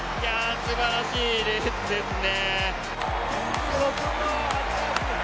すばらしいレースですね。